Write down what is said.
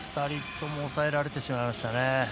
２人とも押さえられてしまいましたね。